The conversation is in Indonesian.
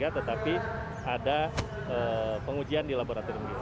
tetapi ada pengujian di laboratorium